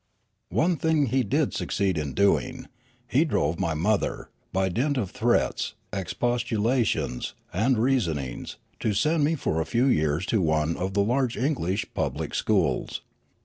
One thing he succeeded in doing. He drove my mother, by dint of threats, expostulations, and reason ings, to send me for a few years to one of the large English public schools.